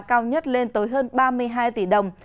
cao nhất lên tới hơn ba mươi hai tỷ đồng